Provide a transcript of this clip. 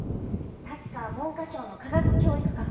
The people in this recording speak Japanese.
確か文科省の科学教育官。